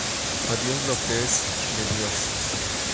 A Dios lo que es de Dios